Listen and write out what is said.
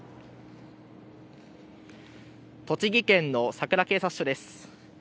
栃木県のさくら警察署です。